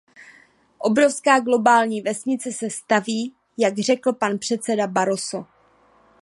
Obrovská globální vesnice se staví, jak řekl pan předseda Barroso.